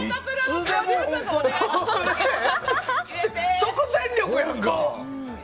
即戦力やんか！